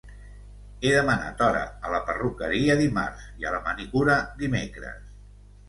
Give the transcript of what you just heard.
He demanat hora a la perruqueria dimarts i a la manicura dimecres.